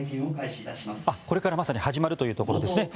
これからまさに始まるというところですね。